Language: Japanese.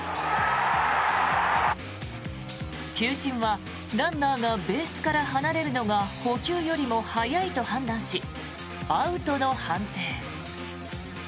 球審はランナーがベースから離れるのが捕球よりも早いと判断しアウトの判定。